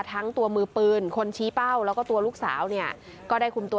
ทั้งตัวมือปืนคนชี้เป้าแล้วก็ตัวลูกสาวเนี่ยก็ได้คุมตัว